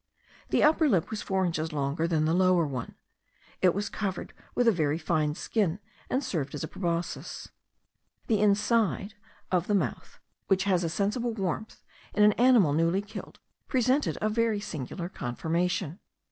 The upper lip was four inches longer than the lower one. It was covered with a very fine skin, and served as a proboscis. The inside of the mouth, which has a sensible warmth in an animal newly killed, presented a very singular conformation.